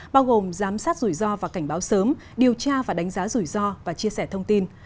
bao gồm giám sát rủi ro và cảnh báo sớm điều tra và đánh giá rủi ro và chia sẻ thông tin